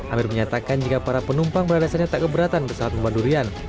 amir menyatakan jika para penumpang berdasarkan tak keberatan pesawat bau durian